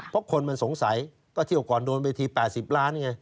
เพราะคนมันสงสัยก็เที่ยวก่อนโดนเวที๘๐ล้านไง